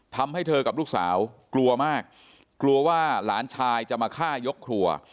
ทำให้เธอกับลูกสาวกลัวมากกลัวว่าหลานชายจะมาฆ่ายกครัว